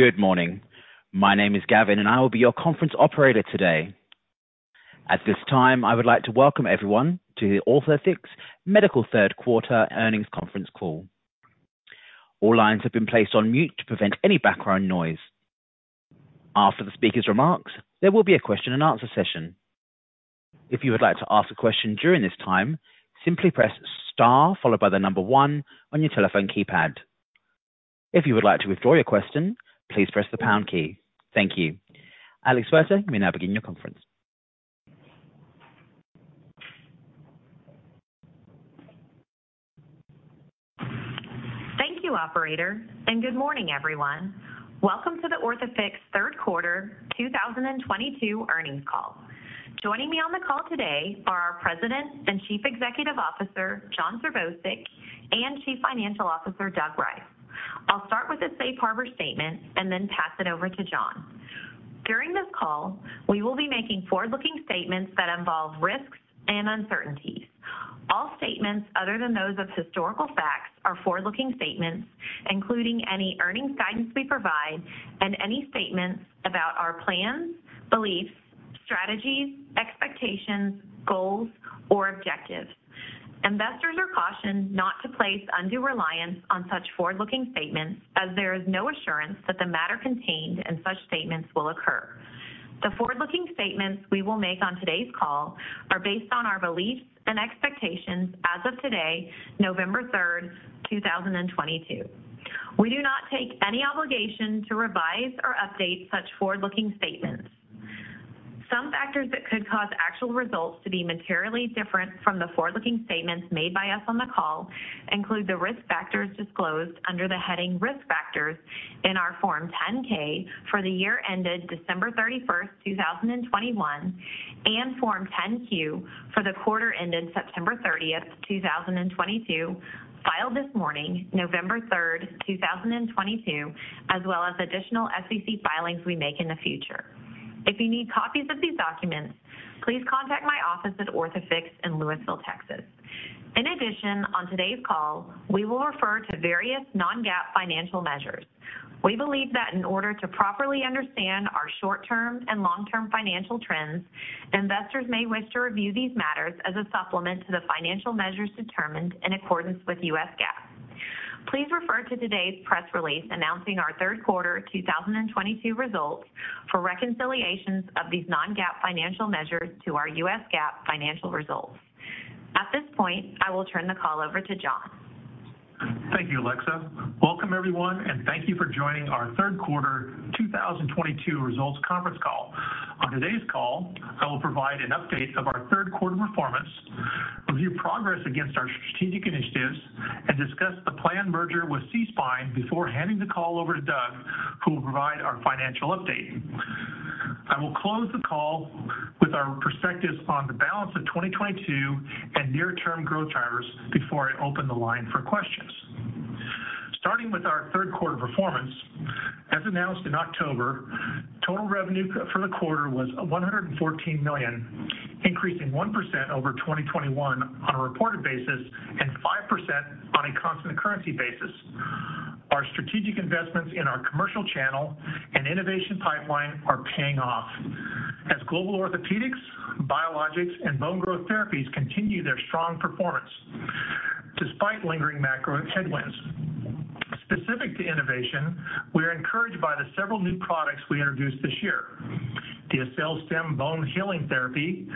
Good morning. My name is Gavin, and I will be your conference operator today. At this time, I would like to welcome everyone to Orthofix Medical third quarter earnings conference call. All lines have been placed on mute to prevent any background noise. After the speaker's remarks, there will be a question and answer session. If you would like to ask a question during this time, simply press star followed by the number one on your telephone keypad. If you would like to withdraw your question, please press the pound key. Thank you. Alexa Huerta, you may now begin your conference. Thank you, operator, and good morning, everyone. Welcome to the Orthofix third quarter 2022 earnings call. Joining me on the call today are our President and Chief Executive Officer, Jon Serbousek, and Chief Financial Officer, Doug Rice. I'll start with a safe harbor statement and then pass it over to Jon. During this call, we will be making forward-looking statements that involve risks and uncertainties. All statements other than those of historical facts are forward-looking statements, including any earnings guidance we provide and any statements about our plans, beliefs, strategies, expectations, goals, or objectives. Investors are cautioned not to place undue reliance on such forward-looking statements as there is no assurance that the matter contained in such statements will occur. The forward-looking statements we will make on today's call are based on our beliefs and expectations as of today, November 3rd, 2022. We do not take any obligation to revise or update such forward-looking statements. Some factors that could cause actual results to be materially different from the forward-looking statements made by us on the call include the risk factors disclosed under the heading Risk Factors in our Form 10-K for the year ended December 31st, 2021, and Form 10-Q for the quarter ended September 30th, 2022, filed this morning, November 3rd, 2022, as well as additional SEC filings we make in the future. If you need copies of these documents, please contact my office at Orthofix in Lewisville, Texas. In addition, on today's call, we will refer to various non-GAAP financial measures. We believe that in order to properly understand our short-term and long-term financial trends, investors may wish to review these matters as a supplement to the financial measures determined in accordance with U.S. GAAP. Please refer to today's press release announcing our third quarter 2022 results for reconciliations of these non-GAAP financial measures to our U.S. GAAP financial results. At this point, I will turn the call over to Jon Serbousek. Thank you, Alexa. Welcome, everyone, and thank you for joining our third quarter 2022 results conference call. On today's call, I will provide an update of our third quarter performance, review progress against our strategic initiatives, and discuss the planned merger with SeaSpine before handing the call over to Doug, who will provide our financial update. I will close the call with our perspectives on the balance of 2022 and near-term growth drivers before I open the line for questions. Starting with our third quarter performance, as announced in October, total revenue for the quarter was $114 million, increasing 1% over 2021 on a reported basis and 5% on a constant currency basis. Our strategic investments in our commercial channel and innovation pipeline are paying off as global orthopedics, biologics, and bone growth therapies continue their strong performance despite lingering macro headwinds. Specific to innovation, we are encouraged by the several new products we introduced this year. The AccelStim bone healing therapy,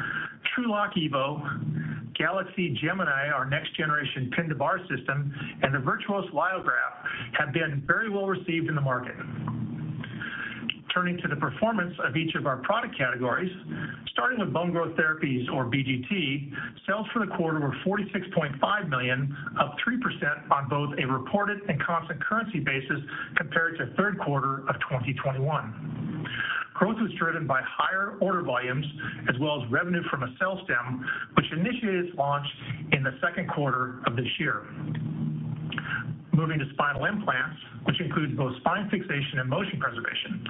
TrueLok EVO, Galaxy Fixation Gemini, our next generation pin-to-bar system, and the Virtuos Lyograft have been very well received in the market. Turning to the performance of each of our product categories, starting with bone growth therapies, or BGT, sales for the quarter were $46.5 million, up 3% on both a reported and constant currency basis compared to third quarter of 2021. Growth was driven by higher order volumes as well as revenue from AccelStim, which initiated its launch in the second quarter of this year. Moving to spinal implants, which includes both spine fixation and motion preservation.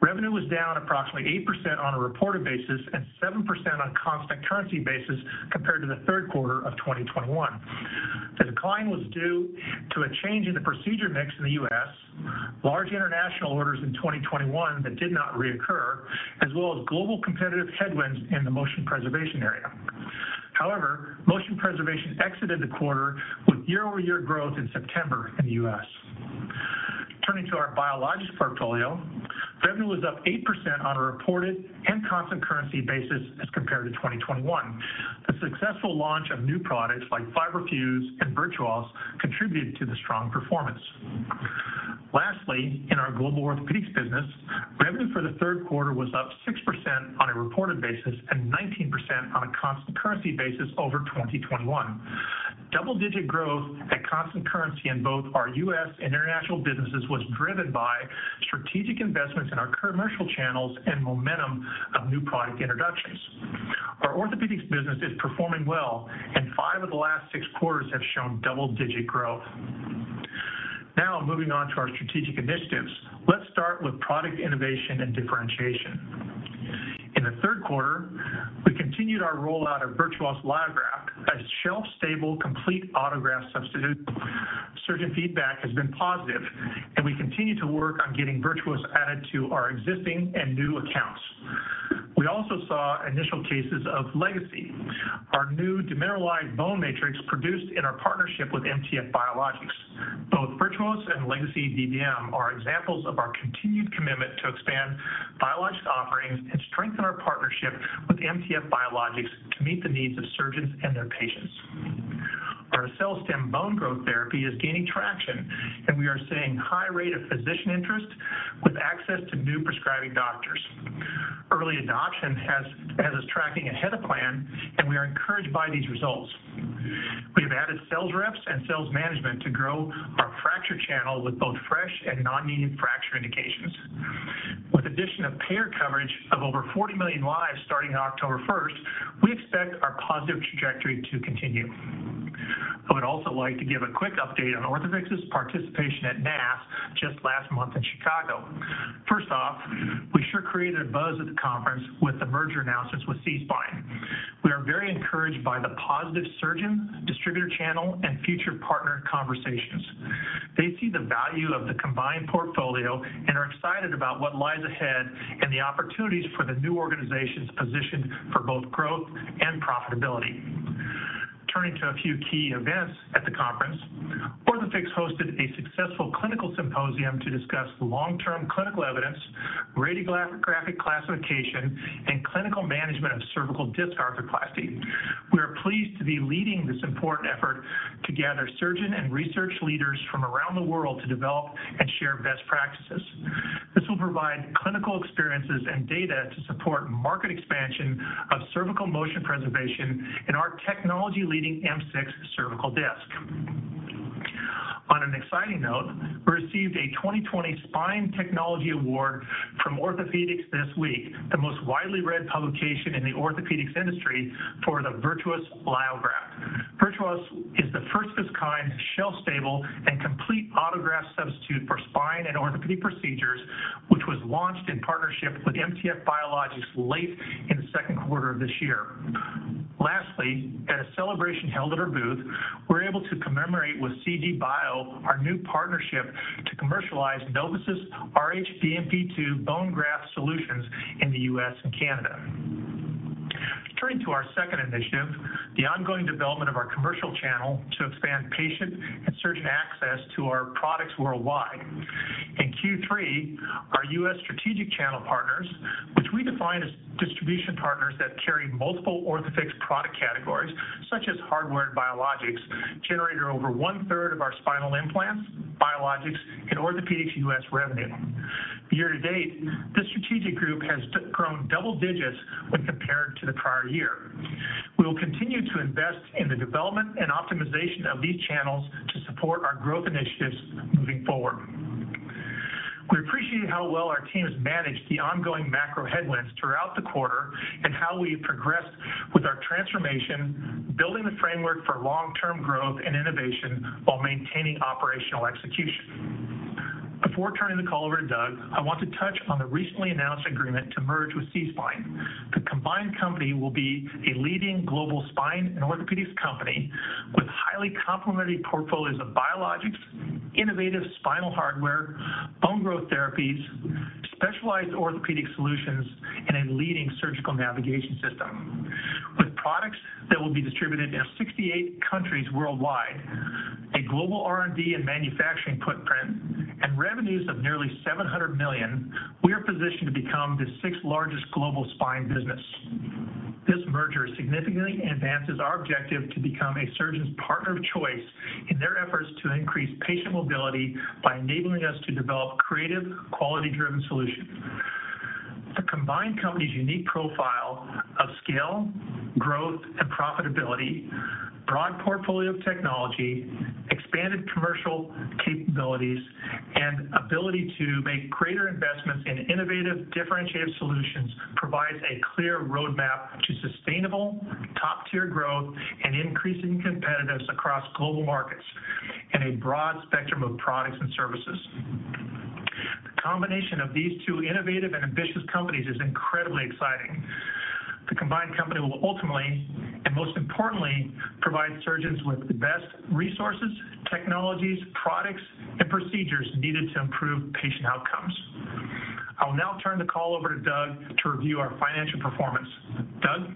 Revenue was down approximately 8% on a reported basis and 7% on constant currency basis compared to the third quarter of 2021. The decline was due to a change in the procedure mix in the U.S., large international orders in 2021 that did not reoccur, as well as global competitive headwinds in the motion preservation area. However, motion preservation exited the quarter with year-over-year growth in September in the U.S. Turning to our biologics portfolio, revenue was up 8% on a reported and constant currency basis as compared to 2021. The successful launch of new products like fiberFUSE and Virtuos contributed to the strong performance. Lastly, in our global orthopedics business, revenue for the third quarter was up 6% on a reported basis and 19% on a constant currency basis over 2021. Double-digit growth at constant currency in both our U.S. and international businesses was driven by strategic investments in our commercial channels and momentum of new product introductions. Our orthopedics business is performing well, and five of the last six quarters have shown double-digit growth. Now, moving on to our strategic initiatives. Let's start with product innovation and differentiation. In the third quarter, we continued our rollout of Virtuos, a shelf-stable complete autograft substitute. Surgeon feedback has been positive, and we continue to work on getting Virtuos added to our existing and new accounts. We also saw initial cases of Legacy, our new demineralized bone matrix produced in our partnership with MTF Biologics. Both Virtuos and Legacy DBM are examples of our continued commitment to expand biologics offerings and strengthen our partnership with MTF Biologics to meet the needs of surgeons and their patients. Our AccelStim bone growth therapy is gaining traction, and we are seeing high rate of physician interest with access to new prescribing doctors. Early adoption has us tracking ahead of plan, and we are encouraged by these results. We have added sales reps and sales management to grow our fracture channel with both fresh and nonunion fracture indications. With addition of payer coverage of over 40 million lives starting October 1st, we expect our positive trajectory to continue. I would also like to give a quick update on Orthofix's participation at NASS just last month in Chicago. First off, we sure created a buzz at the conference with the merger announcements with SeaSpine. We are very encouraged by the positive surgeon, distributor channel, and future partner conversations. They see the value of the combined portfolio and are excited about what lies ahead and the opportunities for the new organization's position for both growth and profitability. Turning to a few key events at the conference, Orthofix hosted a successful clinical symposium to discuss long-term clinical evidence, radiographic classification, and clinical management of cervical disc arthroplasty. We are pleased to be leading this important effort to gather surgeon and research leaders from around the world to develop and share best practices. This will provide clinical experiences and data to support market expansion of cervical motion preservation in our technology-leading M6 cervical disc. On an exciting note, we received a 2020 Spine Technology Award from Orthopedics This Week, the most widely read publication in the orthopedics industry, for the Virtuos Allograft. Virtuos is the first of its kind shelf-stable and complete autograft substitute for spine and orthopedic procedures, which was launched in partnership with MTF Biologics late in the second quarter of this year. Lastly, at a celebration held at our booth, we're able to commemorate with CGBio our new partnership to commercialize Novosis rhBMP-2 bone graft solutions in the U.S. and Canada. Turning to our second initiative, the ongoing development of our commercial channel to expand patient and surgeon access to our products worldwide. In Q3, our U.S. strategic channel partners, which we define as distribution partners that carry multiple Orthofix product categories, such as hardware and biologics, generated over 1/3 of our spinal implants, biologics, and orthopedics U.S. revenue. Year to date, this strategic group has grown double digits when compared to the prior year. We will continue to invest in the development and optimization of these channels to support our growth initiatives moving forward. We appreciate how well our team has managed the ongoing macro headwinds throughout the quarter and how we have progressed with our transformation, building the framework for long-term growth and innovation while maintaining operational execution. Before turning the call over to Doug, I want to touch on the recently announced agreement to merge with SeaSpine. The combined company will be a leading global spine and orthopedics company with highly complementary portfolios of biologics, innovative spinal hardware, bone growth therapies, specialized orthopedic solutions, and a leading surgical navigation system. With products that will be distributed in 68 countries worldwide, a global R&D and manufacturing footprint, and revenues of nearly $700 million, we are positioned to become the sixth-largest global spine business. This merger significantly advances our objective to become a surgeon's partner of choice in their efforts to increase patient mobility by enabling us to develop creative, quality-driven solutions. The combined company's unique profile of scale, growth, and profitability, broad portfolio of technology, expanded commercial capabilities, and ability to make greater investments in innovative, differentiated solutions provides a clear roadmap to sustainable, top-tier growth and increasing competitiveness across global markets in a broad spectrum of products and services. The combination of these two innovative and ambitious companies is incredibly exciting. The combined company will ultimately, and most importantly, provide surgeons with the best resources, technologies, products, and procedures needed to improve patient outcomes. I'll now turn the call over to Doug to review our financial performance. Doug?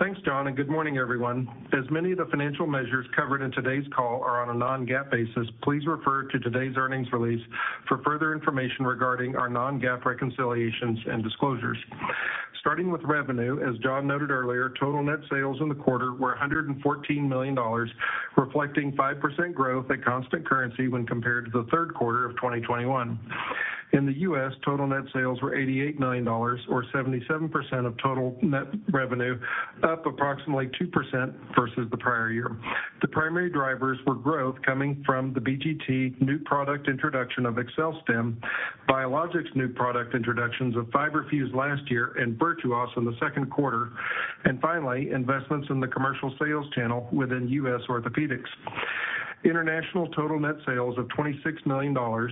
Thanks, Jon, and good morning, everyone. As many of the financial measures covered in today's call are on a non-GAAP basis, please refer to today's earnings release for further information regarding our non-GAAP reconciliations and disclosures. Starting with revenue, as Jon noted earlier, total net sales in the quarter were $114 million, reflecting 5% growth at constant currency when compared to the third quarter of 2021. In the U.S., total net sales were $88 million or 77% of total net revenue, up approximately 2% versus the prior year. The primary drivers were growth coming from the BGT new product introduction of AccelStim, biologics new product introductions of fiberFUSE last year and Virtuos in the second quarter, and finally, investments in the commercial sales channel within U.S. Orthopedics. International total net sales of $26 million or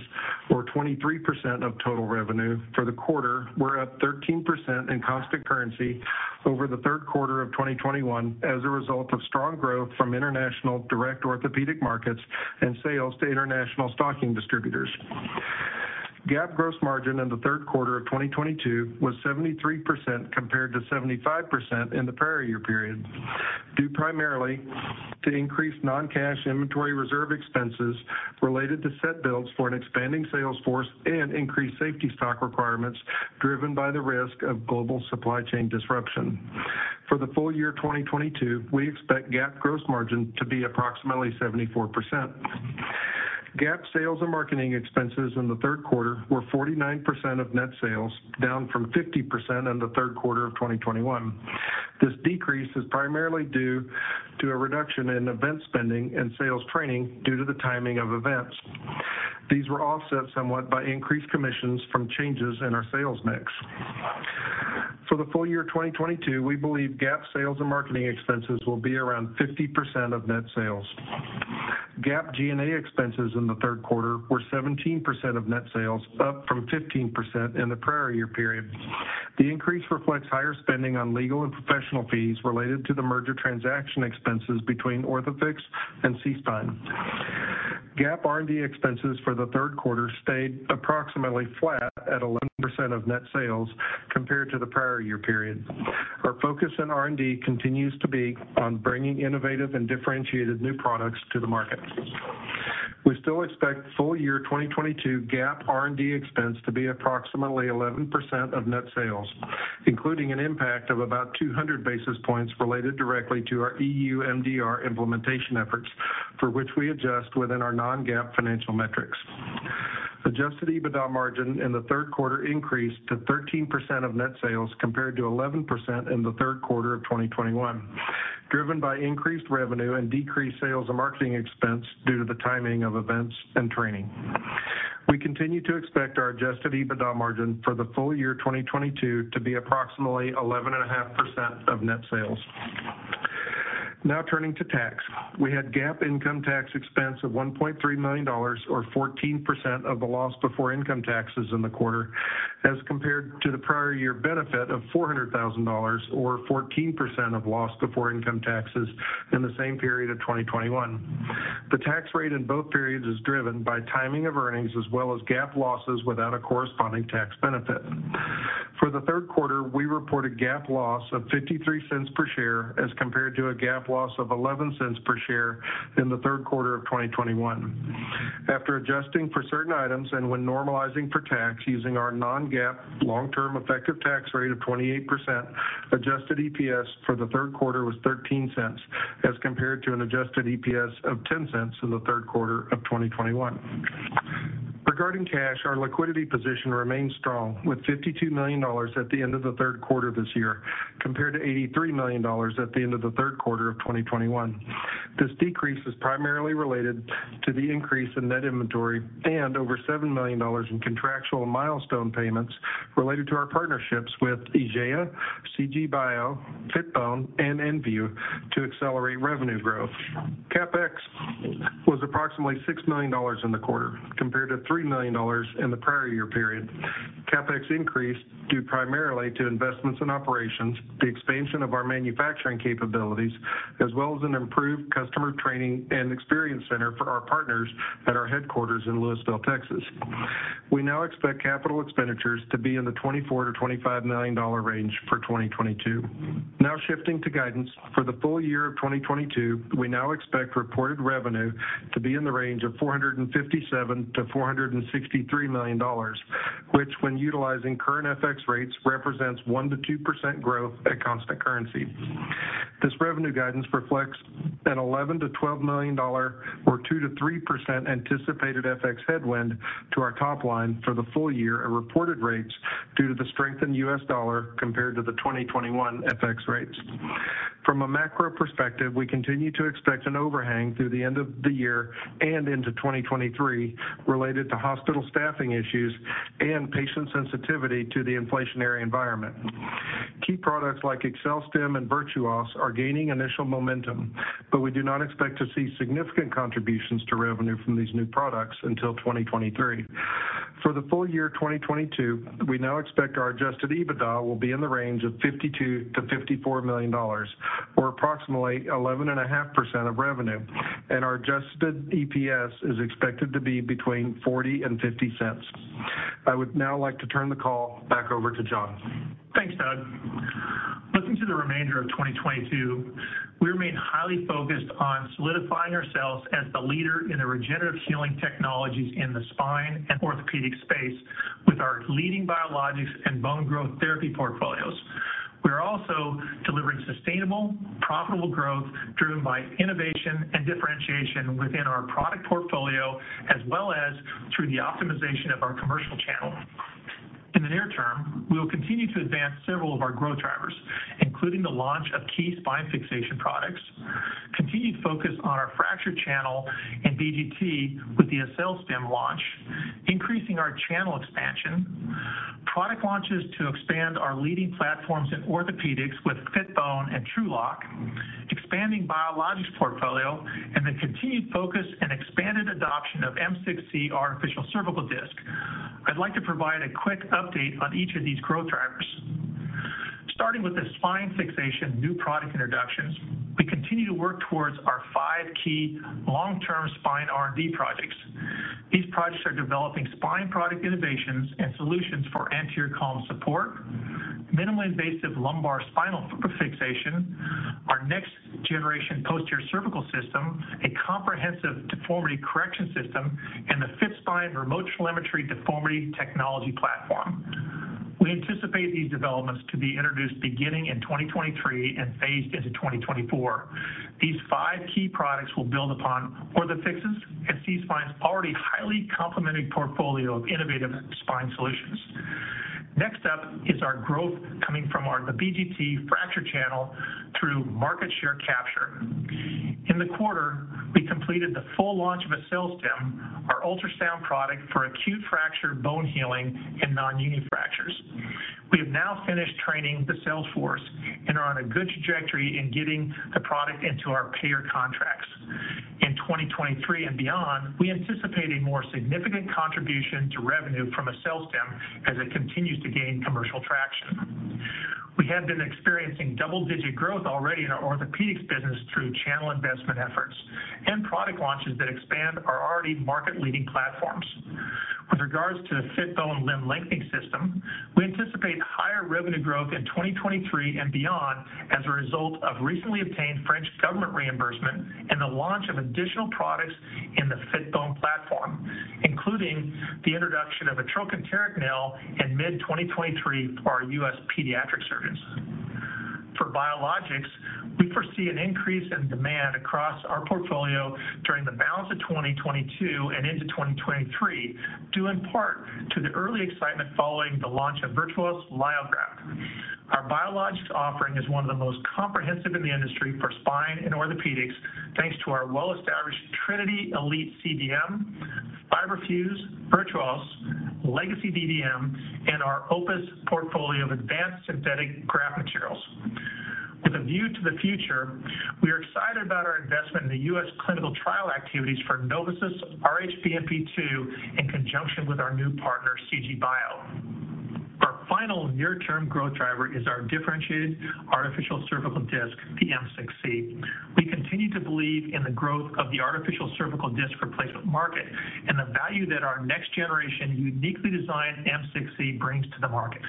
23% of total revenue for the quarter were up 13% in constant currency over the third quarter of 2021 as a result of strong growth from international direct orthopedic markets and sales to international stocking distributors. GAAP gross margin in the third quarter of 2022 was 73% compared to 75% in the prior year period, due primarily to increased non-cash inventory reserve expenses related to set builds for an expanding sales force and increased safety stock requirements driven by the risk of global supply chain disruption. For the full year 2022, we expect GAAP gross margin to be approximately 74%. GAAP sales and marketing expenses in the third quarter were 49% of net sales, down from 50% in the third quarter of 2021. This decrease is primarily due to a reduction in event spending and sales training due to the timing of events. These were offset somewhat by increased commissions from changes in our sales mix. For the full year 2022, we believe GAAP sales and marketing expenses will be around 50% of net sales. GAAP G&A expenses in the third quarter were 17% of net sales, up from 15% in the prior year period. The increase reflects higher spending on legal and professional fees related to the merger transaction expenses between Orthofix and SeaSpine. GAAP R&D expenses for the third quarter stayed approximately flat at 11% of net sales compared to the prior year period. Our focus in R&D continues to be on bringing innovative and differentiated new products to the market. We still expect full year 2022 GAAP R&D expense to be approximately 11% of net sales, including an impact of about 200 basis points related directly to our EU MDR implementation efforts, for which we adjust within our non-GAAP financial metrics. Adjusted EBITDA margin in the third quarter increased to 13% of net sales compared to 11% in the third quarter of 2021, driven by increased revenue and decreased sales and marketing expense due to the timing of events and training. We continue to expect our Adjusted EBITDA margin for the full year 2022 to be approximately 11.5% of net sales. Now turning to tax. We had GAAP income tax expense of $1.3 million or 14% of the loss before income taxes in the quarter as compared to the prior year benefit of $400,000 or 14% of loss before income taxes in the same period of 2021. The tax rate in both periods is driven by timing of earnings as well as GAAP losses without a corresponding tax benefit. For the third quarter, we reported GAAP loss of $0.53 per share as compared to a GAAP loss of $0.11 per share in the third quarter of 2021. After adjusting for certain items and when normalizing for tax using our non-GAAP long-term effective tax rate of 28%, adjusted EPS for the third quarter was $0.13 as compared to an adjusted EPS of $0.10 in the third quarter of 2021. Regarding cash, our liquidity position remains strong with $52 million at the end of the third quarter this year, compared to $83 million at the end of the third quarter of 2021. This decrease is primarily related to the increase in net inventory and over $7 million in contractual milestone payments related to our partnerships with IGEA, CGBio, Fitbone, and nView medical to accelerate revenue growth. CapEx was approximately $6 million in the quarter, compared to $3 million in the prior year period. CapEx increased due primarily to investments in operations, the expansion of our manufacturing capabilities, as well as an improved customer training and experience center for our partners at our headquarters in Lewisville, Texas. We now expect capital expenditures to be in the $24-$25 million range for 2022. Now shifting to guidance. For the full year of 2022, we now expect reported revenue to be in the range of $457-$463 million, which when utilizing current FX rates, represents 1%-2% growth at constant currency. This revenue guidance reflects an $11-$12 million or 2%-3% anticipated FX headwind to our top line for the full year at reported rates due to the strength in U.S. dollar compared to the 2021 FX rates. From a macro perspective, we continue to expect an overhang through the end of the year and into 2023 related to hospital staffing issues and patient sensitivity to the inflationary environment. Key products like AccelStim and Virtuos are gaining initial momentum, but we do not expect to see significant contributions to revenue from these new products until 2023. For the full year 2022, we now expect our Adjusted EBITDA will be in the range of $52 million-$54 million or approximately 11.5% of revenue, and our Adjusted EPS is expected to be between $0.40 and $0.50. I would now like to turn the call back over to Jon. Thanks, Doug. Looking to the remainder of 2022, we remain highly focused on solidifying ourselves as the leader in the regenerative healing technologies in the spine and orthopedic space with our leading biologics and bone growth therapy portfolios. We are also delivering sustainable, profitable growth driven by innovation and differentiation within our product portfolio as well as through the optimization of our commercial channel. In the near term, we will continue to advance several of our growth drivers, including the launch of key spine fixation products, continued focus on our fracture channel and BGT with the AccelStim launch, increasing our channel expansion. Product launches to expand our leading platforms in orthopedics with Fitbone and TrueLok, expanding biologics portfolio, and the continued focus and expanded adoption of M6-C Artificial Cervical Disc. I'd like to provide a quick update on each of these growth drivers. Starting with the spine fixation new product introductions, we continue to work towards our five key long-term spine R&D projects. These projects are developing spine product innovations and solutions for anterior column support, minimally invasive lumbar spinal fixation, our next generation posterior cervical system, a comprehensive deformity correction system, and the FITSPINE remote telemetry deformity technology platform. We anticipate these developments to be introduced beginning in 2023 and phased into 2024. These five key products will build upon Orthofix's and SeaSpine's already highly complementary portfolio of innovative spine solutions. Next up is our growth coming from the BGT fracture channel through market share capture. In the quarter, we completed the full launch of AccelStim, our ultrasound product for acute fracture bone healing in nonunion fractures. We have now finished training the sales force and are on a good trajectory in getting the product into our payer contracts. In 2023 and beyond, we anticipate a more significant contribution to revenue from AccelStim as it continues to gain commercial traction. We have been experiencing double-digit growth already in our orthopedics business through channel investment efforts and product launches that expand our already market-leading platforms. With regards to the Fitbone Limb Lengthening System, we anticipate higher revenue growth in 2023 and beyond as a result of recently obtained French government reimbursement and the launch of additional products in the Fitbone platform, including the introduction of a trochanteric nail in mid-2023 for our U.S. pediatric surgeons. For biologics, we foresee an increase in demand across our portfolio during the balance of 2022 and into 2023, due in part to the early excitement following the launch of Virtuos Lyograft. Our biologics offering is one of the most comprehensive in the industry for spine and orthopedics, thanks to our well-established Trinity ELITE CDM, fiberFUSE, Virtuos, Legacy DBM, and our Opus portfolio of advanced synthetic graft materials. With a view to the future, we are excited about our investment in the U.S. clinical trial activities for Novosis rhBMP-2 in conjunction with our new partner, CGBio. Our final near-term growth driver is our differentiated artificial cervical disc, the M6-C. We continue to believe in the growth of the artificial cervical disc replacement market and the value that our next-generation, uniquely designed M6-C brings to the market.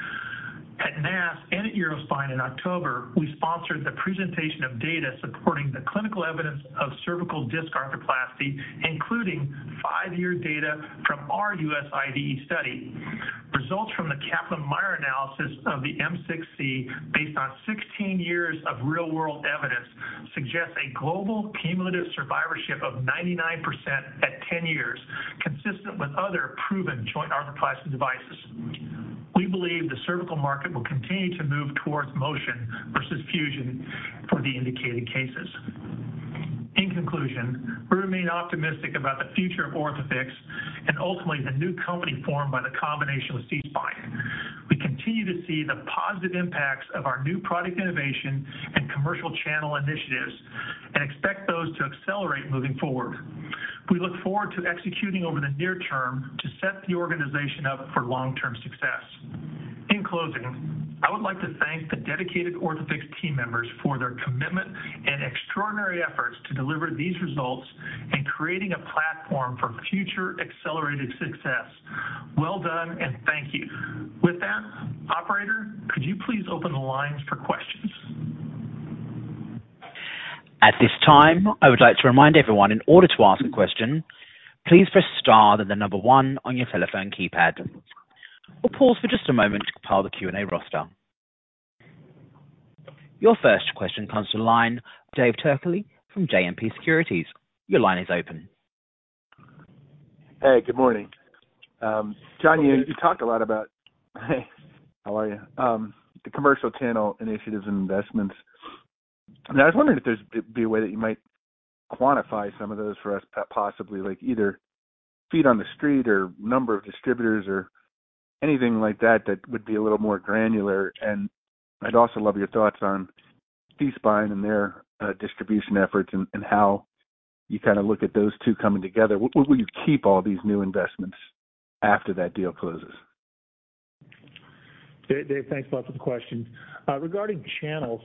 At NASS and at EUROSPINE in October, we sponsored the presentation of data supporting the clinical evidence of cervical disc arthroplasty, including five-year data from our U.S. IDE study. Results from the Kaplan-Meier analysis of the M6-C based on 16 years of real-world evidence suggests a global cumulative survivorship of 99% at 10 years, consistent with other proven joint arthroplasty devices. We believe the cervical market will continue to move towards motion versus fusion for the indicated cases. In conclusion, we remain optimistic about the future of Orthofix and ultimately the new company formed by the combination with SeaSpine. We continue to see the positive impacts of our new product innovation and commercial channel initiatives and expect those to accelerate moving forward. We look forward to executing over the near term to set the organization up for long-term success. In closing, I would like to thank the dedicated Orthofix team members for their commitment and extraordinary efforts to deliver these results in creating a platform for future accelerated success. Well done and thank you. With that, operator, could you please open the lines for questions? At this time, I would like to remind everyone in order to ask a question, please press star, then the number one on your telephone keypad. We'll pause for just a moment to compile the Q&A roster. Your first question comes to the line Dave Turkaly from JMP Securities. Your line is open. Hey, good morning. Jon, you talked a lot about the commercial channel initiatives and investments. Hey, how are you? I was wondering if there's a way that you might quantify some of those for us possibly, like either feet on the street or number of distributors or anything like that would be a little more granular. I'd also love your thoughts on SeaSpine and their distribution efforts and how you kinda look at those two coming together. Will you keep all these new investments after that deal closes? Dave, thanks a lot for the question. Regarding channels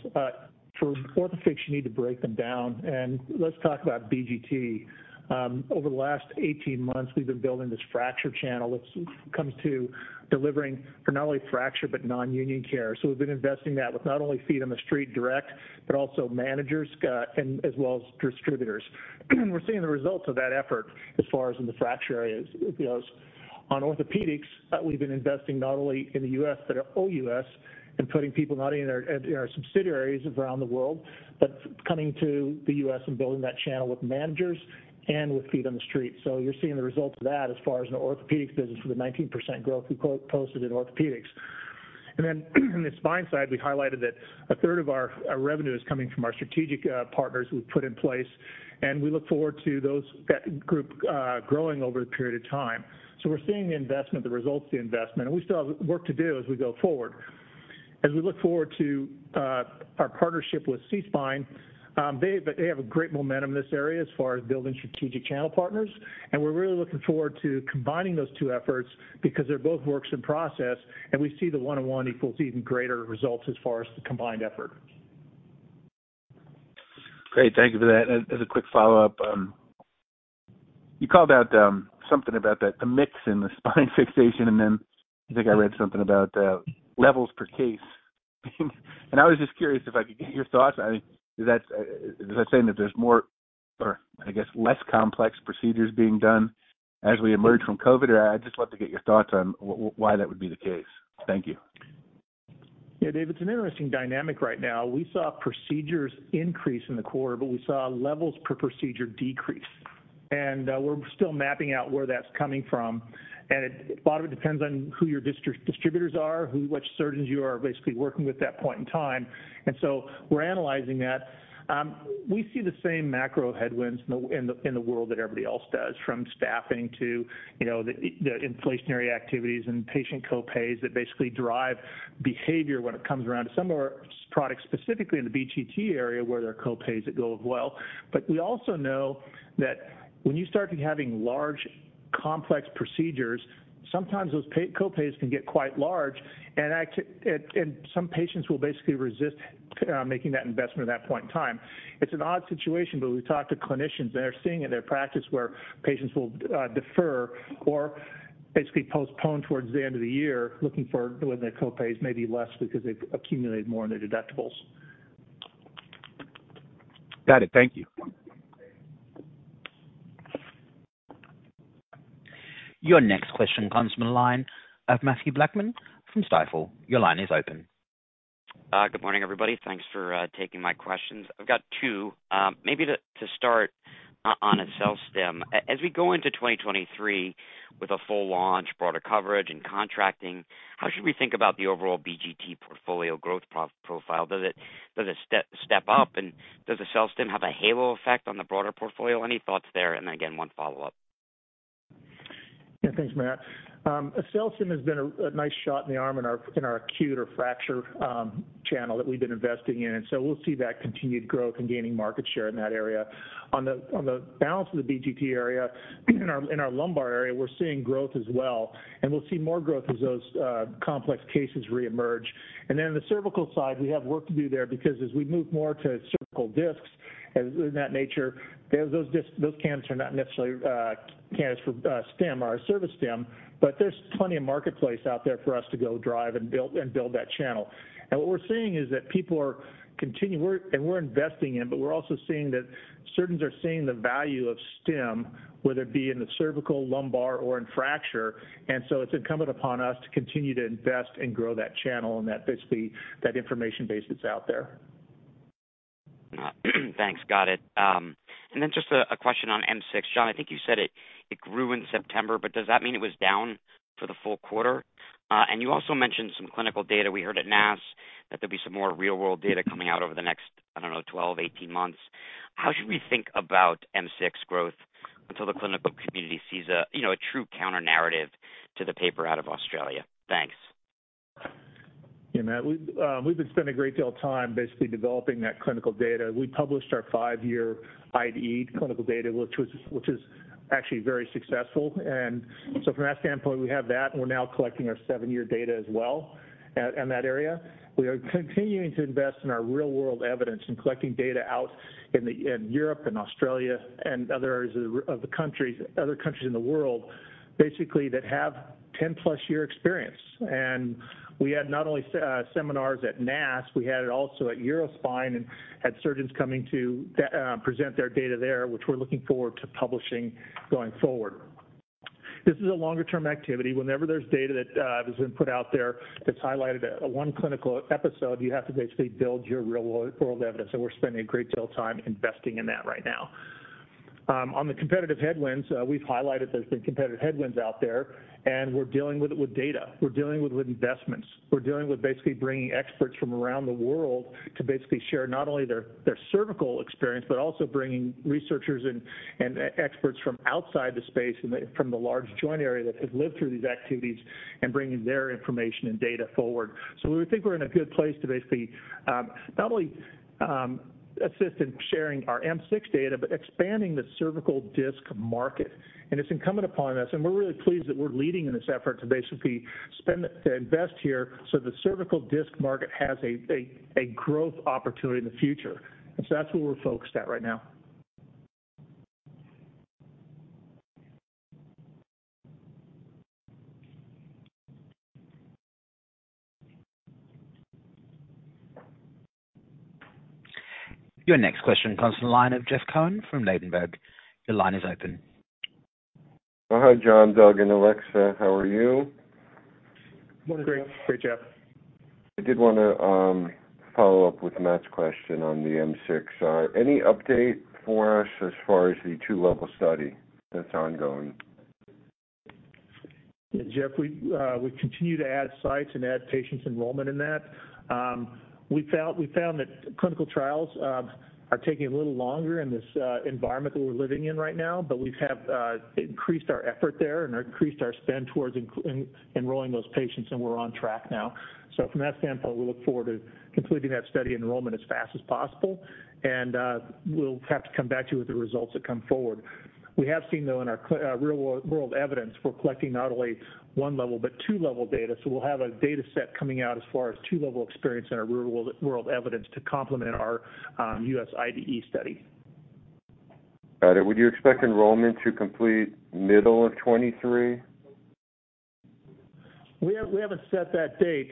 for Orthofix, you need to break them down and let's talk about BGT. Over the last 18 months, we've been building this fracture channel which comes to delivering for not only fracture but nonunion care. We've been investing that with not only feet on the street direct, but also managers and as well as distributors. We're seeing the results of that effort as far as in the fracture areas. Because on orthopedics, we've been investing not only in the U.S. but OUS and putting people not only in our subsidiaries around the world, but coming to the U.S. and building that channel with managers and with feet on the street. You're seeing the results of that as far as the orthopedics business for the 19% growth we posted in orthopedics. Then in the spine side, we highlighted that a third of our revenue is coming from our strategic partners we've put in place, and we look forward to that group growing over the period of time. We're seeing the investment, the results of the investment, and we still have work to do as we go forward. As we look forward to our partnership with SeaSpine, they have a great momentum in this area as far as building strategic channel partners, and we're really looking forward to combining those two efforts because they're both works in process, and we see the one-on-one equals even greater results as far as the combined effort. Great. Thank you for that. As a quick follow-up, you called out something about that, the mix in the spine fixation, and then I think I read something about levels per case. I was just curious if I could get your thoughts. I mean, does that say that there's more or I guess less complex procedures being done as we emerge from COVID? I'd just love to get your thoughts on why that would be the case. Thank you. Yeah, Dave, it's an interesting dynamic right now. We saw procedures increase in the quarter, but we saw levels per procedure decrease. We're still mapping out where that's coming from. A lot of it depends on who your distributors are, which surgeons you are basically working with at that point in time. We're analyzing that. We see the same macro headwinds in the world that everybody else does, from staffing to, you know, the inflationary activities and patient co-pays that basically drive behavior when it comes around to some of our products, specifically in the BGT area where there are co-pays that go as well. We also know that when you start having large complex procedures, sometimes those co-pays can get quite large, and some patients will basically resist making that investment at that point in time. It's an odd situation, but we've talked to clinicians and they're seeing it in their practice where patients will defer or basically postpone toward the end of the year looking for when their co-pay is maybe less because they've accumulated more in their deductibles. Got it. Thank you. Your next question comes from the line of Mathew Blackman from Stifel. Your line is open. Good morning, everybody. Thanks for taking my questions. I've got two. Maybe to start on AccelStim. As we go into 2023 with a full launch, broader coverage and contracting, how should we think about the overall BGT portfolio growth profile? Does it step up? Does AccelStim have a halo effect on the broader portfolio? Any thoughts there? Again, one follow-up. Yeah, thanks, Matt. AccelStim has been a nice shot in the arm in our acute or fracture channel that we've been investing in. We'll see that continued growth and gaining market share in that area. On the balance of the BGT area, in our lumbar area, we're seeing growth as well, and we'll see more growth as those complex cases reemerge. On the cervical side, we have work to do there because as we move more to cervical discs and in that nature, those candidates are not necessarily candidates for stim or a service stim, but there's plenty of marketplace out there for us to go drive and build that channel. What we're seeing is that we're investing in, but we're also seeing that surgeons are seeing the value of them, whether it be in the cervical, lumbar or in fracture. It's incumbent upon us to continue to invest and grow that channel and that basically, that information base that's out there. Thanks. Got it. Just a question on M6. Jon, I think you said it grew in September, but does that mean it was down for the full quarter? You also mentioned some clinical data. We heard at NASS that there'd be some more real world data coming out over the next, I don't know, 12, 18 months. How should we think about M6 growth until the clinical community sees a you know a true counter-narrative to the paper out of Australia? Thanks. Yeah, Matt, we've we've been spending a great deal of time basically developing that clinical data. We published our five-year IDE clinical data, which is actually very successful. From that standpoint, we have that, and we're now collecting our seven-year data as well in that area. We are continuing to invest in our real world evidence and collecting data out in Europe and Australia and other areas of other countries in the world, basically, that have 10+ year experience. We had not only seminars at NASS, we had it also at EUROSPINE and had surgeons coming to present their data there, which we're looking forward to publishing going forward. This is a longer term activity. Whenever there's data that has been put out there that's highlighted a one clinical episode, you have to basically build your real world evidence. We're spending a great deal of time investing in that right now. On the competitive headwinds, we've highlighted there's been competitive headwinds out there, and we're dealing with it with data. We're dealing with investments. We're dealing with basically bringing experts from around the world to basically share not only their cervical experience, but also bringing researchers and experts from outside the space and from the large joint area that have lived through these activities and bringing their information and data forward. We think we're in a good place to basically not only assist in sharing our M6 data, but expanding the cervical disc market.It's incumbent upon us, and we're really pleased that we're leading in this effort to invest here so the cervical disc market has a growth opportunity in the future. That's where we're focused at right now. Your next question comes from the line of Jeff Cohen from Ladenburg Thalmann. Your line is open. Oh, hi, Jon, Doug and Alexa. How are you? Morning, Jeff. Great. Great, Jeff. I did wanna follow up with Matt's question on the M6. Any update for us as far as the two-level study that's ongoing? Yeah, Jeff, we continue to add sites and add patients enrollment in that. We found that clinical trials are taking a little longer in this environment that we're living in right now, but we have increased our effort there and increased our spend towards enrolling those patients, and we're on track now. From that standpoint, we look forward to completing that study enrollment as fast as possible, and we'll have to come back to you with the results that come forward. We have seen, though, in our real world evidence, we're collecting not only one level but two-level data, so we'll have a data set coming out as far as two-level experience in our real world evidence to complement our U.S. IDE study. Got it. Would you expect enrollment to complete middle of 2023? We haven't set that date.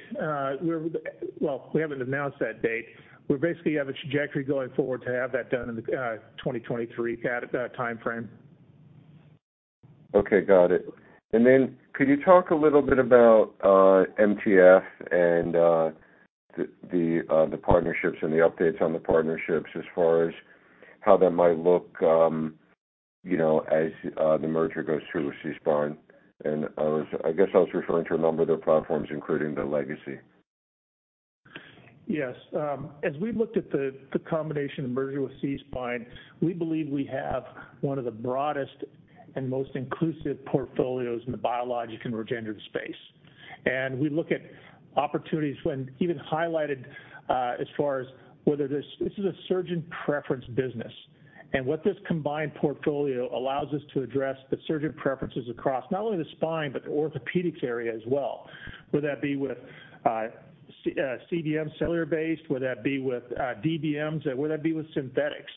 Well, we haven't announced that date. We basically have a trajectory going forward to have that done in the 2023 timeframe. Okay. Got it. Could you talk a little bit about MTF and the partnerships and the updates on the partnerships as far as how that might look, you know, as the merger goes through with SeaSpine? I guess I was referring to a number of their platforms, including the Legacy. Yes. As we looked at the the combination and merger with SeaSpine, we believe we have one of the broadest and most inclusive portfolios in the biologic and regenerative space. We look at opportunities when even highlighted, as far as whether this. This is a surgeon preference business. What this combined portfolio allows us to address the surgeon preferences across not only the spine but the orthopedics area as well, whether that be with CBM cellular-based, whether that be with DBMs, whether that be with synthetics.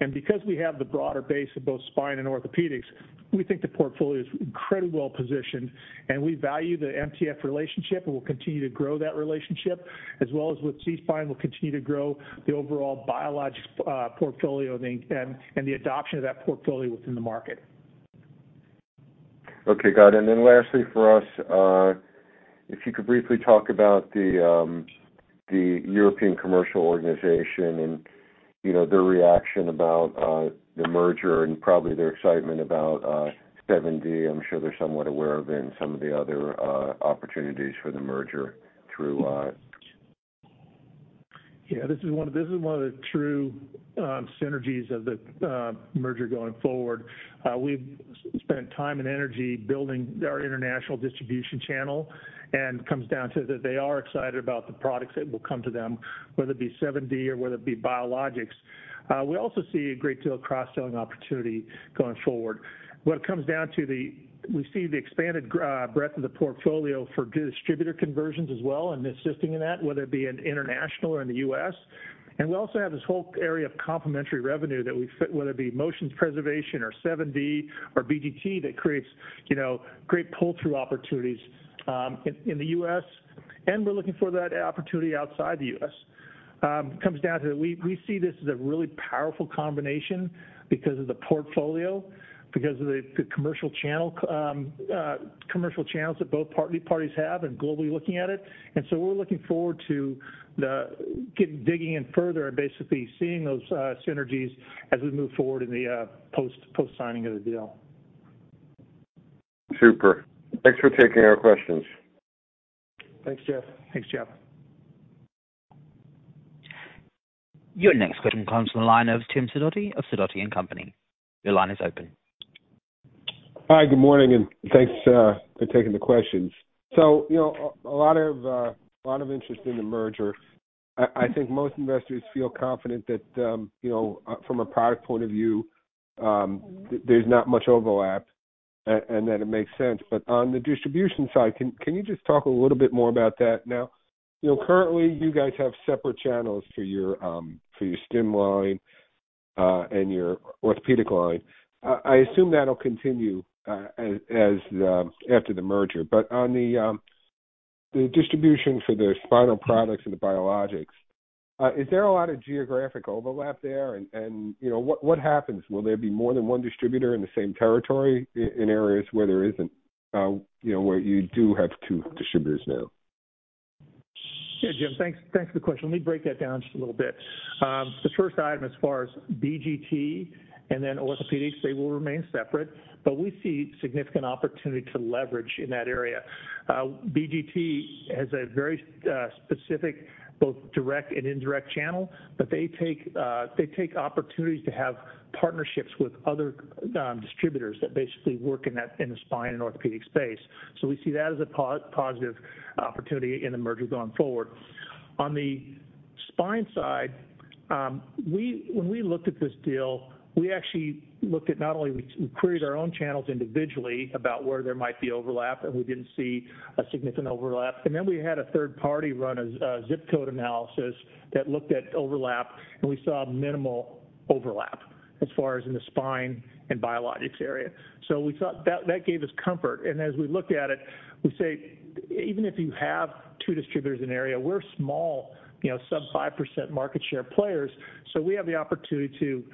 Because we have the broader base of both spine and orthopedics, we think the portfolio is incredibly well positioned, and we value the MTF relationship, and we'll continue to grow that relationship. As well as with SeaSpine, we'll continue to grow the overall biologics portfolio and the adoption of that portfolio within the market. Okay. Got it. Lastly for us, if you could briefly talk about the European commercial organization and, you know, their reaction about the merger and probably their excitement about 7D. I'm sure they're somewhat aware of it and some of the other opportunities for the merger through. Yeah. This is one of the true synergies of the merger going forward. We've spent time and energy building our international distribution channel, and it comes down to that they are excited about the products that will come to them, whether it be 7D or whether it be biologics. We also see a great deal of cross-selling opportunity going forward. What it comes down to, we see the expanded breadth of the portfolio for distributor conversions as well and assisting in that, whether it be in international or in the U.S. We also have this whole area of complementary revenue that we fit, whether it be motion preservation or 7D or BGT that creates, you know, great pull-through opportunities in the U.S., and we're looking for that opportunity outside the U.S. It comes down to that we see this as a really powerful combination because of the portfolio, because of the commercial channel, commercial channels that both parties have and globally looking at it. We're looking forward to digging in further and basically seeing those synergies as we move forward in the post-signing of the deal. Super. Thanks for taking our questions. Thanks, Jeff. Thanks, Jeff. Your next question comes from the line of Jim Sidoti of Sidoti & Company. Your line is open. Hi, good morning, and thanks for taking the questions. A lot of interest in the merger. I think most investors feel confident that from a product point of view, there's not much overlap and that it makes sense. On the distribution side, can you just talk a little bit more about that now? Currently you guys have separate channels for your stim line and your orthopedic line. I assume that'll continue after the merger. On the distribution for the spinal products and the biologics, is there a lot of geographic overlap there? What happens? Will there be more than one distributor in the same territory in areas where there isn't, you know, where you do have two distributors now? Yeah, Jim, thanks for the question. Let me break that down just a little bit. The first item as far as BGT and then orthopedics, they will remain separate. We see significant opportunity to leverage in that area. BGT has a very specific both direct and indirect channel, but they take opportunities to have partnerships with other distributors that basically work in that, in the spine and orthopedic space. We see that as a positive opportunity in the merger going forward. On the spine side, when we looked at this deal, we actually looked at not only, we queried our own channels individually about where there might be overlap, and we didn't see a significant overlap. We had a third party run a ZIP code analysis that looked at overlap, and we saw minimal overlap as far as in the spine and biologics area. We thought that gave us comfort. As we looked at it, we saw even if you have two distributors in an area, we're small, you know, sub 5% market share players. We have the opportunity to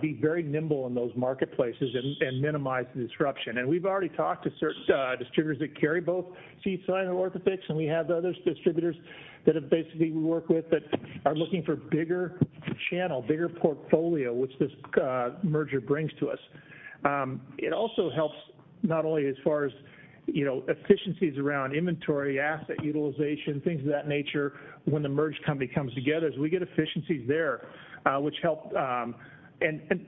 be very nimble in those marketplaces and minimize the disruption. We've already talked to certain distributors that carry both SeaSpine and Orthofix, and we have other distributors that we basically work with that are looking for bigger channel, bigger portfolio, which this merger brings to us. It also helps not only as far as, you know, efficiencies around inventory, asset utilization, things of that nature, when the merged company comes together, is we get efficiencies there, which help.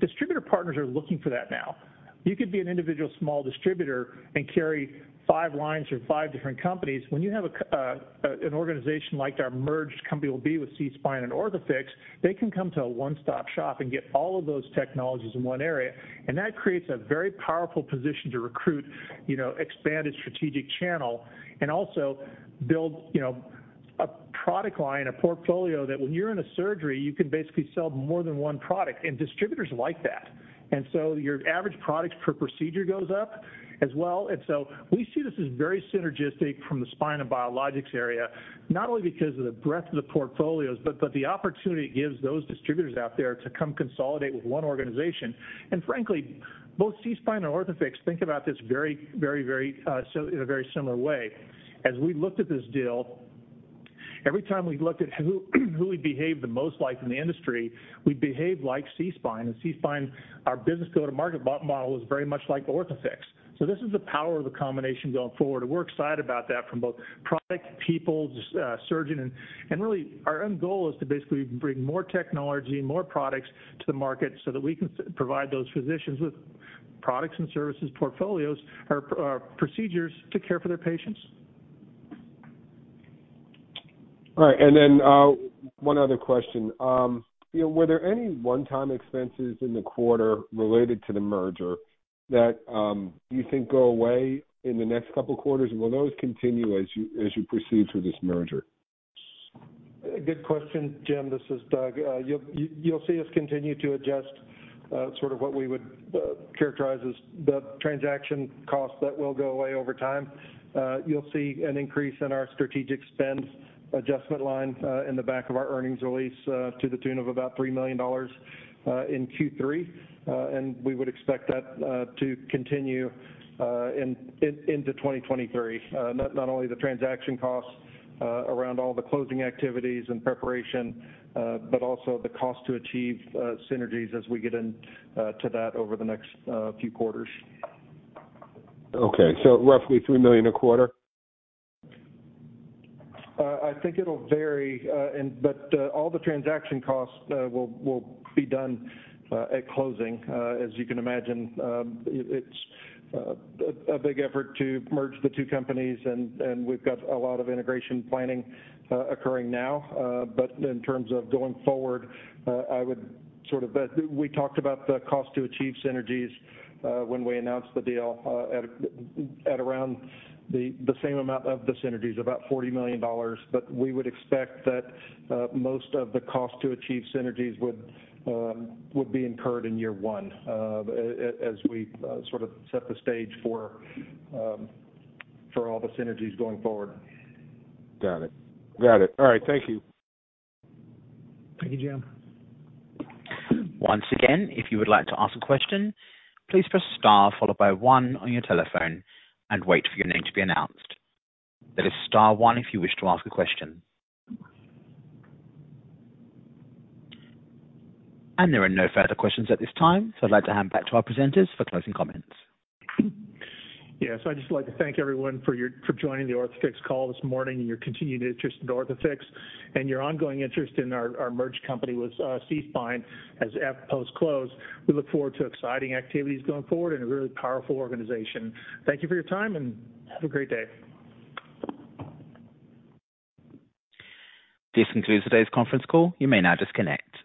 Distributor partners are looking for that now. You could be an individual small distributor and carry five lines from five different companies. When you have an organization like our merged company will be with SeaSpine and Orthofix, they can come to a one-stop shop and get all of those technologies in one area. That creates a very powerful position to recruit, you know, expanded strategic channel and also build, you know, a product line, a portfolio that when you're in a surgery, you can basically sell more than one product. Distributors like that. Your average products per procedure goes up as well. We see this as very synergistic from the spine and biologics area, not only because of the breadth of the portfolios, but the opportunity it gives those distributors out there to come consolidate with one organization. Frankly, both SeaSpine and Orthofix think about this very in a very similar way. As we looked at this deal, every time we looked at who we behaved the most like in the industry, we behaved like SeaSpine. SeaSpine, our business go-to-market model was very much like Orthofix. This is the power of the combination going forward, and we're excited about that from both products, people, surgeons and really our end goal is to basically bring more technology, more products to the market so that we can provide those physicians with products and services portfolios or procedures to care for their patients. All right. One other question. You know, were there any one-time expenses in the quarter related to the merger that you think go away in the next couple quarters? Will those continue as you proceed through this merger? Good question, Jim. This is Doug. You'll see us continue to adjust sort of what we would characterize as the transaction cost that will go away over time. You'll see an increase in our strategic spend adjustment line in the back of our earnings release to the tune of about $3 million in Q3. We would expect that to continue into 2023. Not only the transaction costs around all the closing activities and preparation, but also the cost to achieve synergies as we get into that over the next few quarters. Roughly $3 million a quarter? I think it'll vary. All the transaction costs will be done at closing. As you can imagine, it's a big effort to merge the two companies and we've got a lot of integration planning occurring now. In terms of going forward, I would sort of we talked about the cost to achieve synergies when we announced the deal at around the same amount of the synergies, about $40 million. We would expect that most of the cost to achieve synergies would be incurred in year one as we sort of set the stage for all the synergies going forward. Got it. All right. Thank you. Thank you, Jim. Once again, if you would like to ask a question, please press star followed by one on your telephone and wait for your name to be announced. That is star one if you wish to ask a question. There are no further questions at this time, so I'd like to hand back to our presenters for closing comments. Yeah. I'd just like to thank everyone for joining the Orthofix call this morning and your continued interest in Orthofix and your ongoing interest in our merged company with SeaSpine as of post-close. We look forward to exciting activities going forward and a really powerful organization. Thank you for your time, and have a great day. This concludes today's conference call. You may now disconnect.